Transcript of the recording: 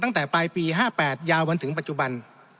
ตั้งแต่ปลายปี๕๘ยาวจนถึงปัจจุบัน